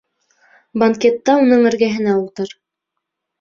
Банкетта уның эргәһенә ултыр.